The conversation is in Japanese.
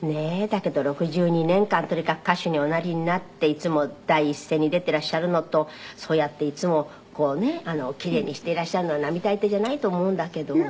だけど６２年間とにかく歌手におなりになっていつも第一線に出ていらっしゃるのとそうやっていつもこうね奇麗にしていらっしゃるのは並大抵じゃないと思うんだけども。